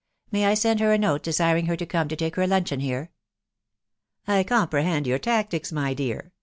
May I send her a note desiring her to come to take her luncheon here ?"" I comprehend your tactics, my dear